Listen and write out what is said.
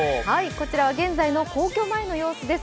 こちらは現在の皇居前の様子です。